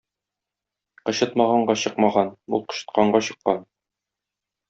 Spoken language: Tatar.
Кычытмаганга чыкмаган, ул кычытканга чыккан.